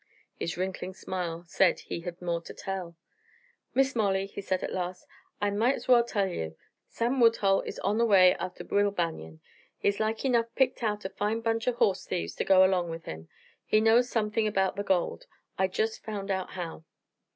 His wrinkling smile said he had more to tell. "Miss Molly," said he at last, "I mout as well tell ye. Sam Woodhull is on the way atter Will Banion. He's like enough picked out a fine bunch o' horse thiefs ter go erlong with him. He knows somethin' erbout the gold I jest found out how.